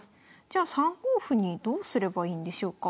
じゃあ３五歩にどうすればいいんでしょうか？